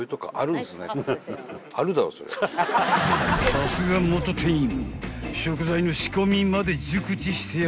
［さすが元店員］